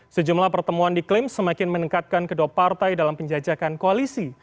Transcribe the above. sejumlah pertemuan diklaim semakin meningkatkan kedua partai dalam penjajakan koalisi